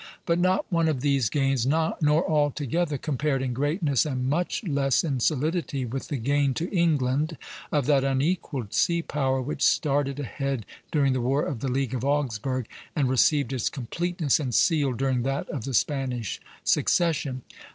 But not one of these gains, nor all together, compared in greatness, and much less in solidity, with the gain to England of that unequalled sea power which started ahead during the War of the League of Augsburg, and received its completeness and seal during that of the Spanish Succession.